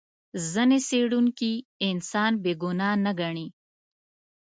ځینې څېړونکي انسان بې ګناه نه ګڼي.